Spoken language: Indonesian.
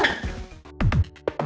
tunggu apa ya